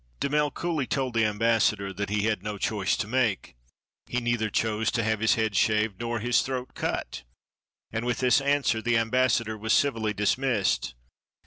Damel coolly told the ambassador that he had no choice to make — he neither chose to have his head shaved nor his throat cut; and with this answer the ambassador was civilly dismissed.